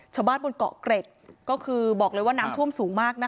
บนเกาะเกร็ดก็คือบอกเลยว่าน้ำท่วมสูงมากนะคะ